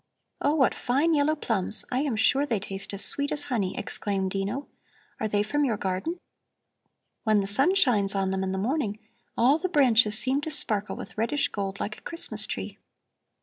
"Oh, what fine yellow plums! I am sure they taste as sweet as honey," exclaimed Dino. "Are they from your garden? When the sun shines on them in the morning, all the branches seem to sparkle with reddish gold like a Christmas tree."